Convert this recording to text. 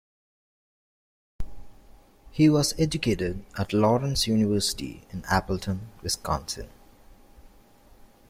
He was educated at Lawrence University in Appleton, Wisconsin.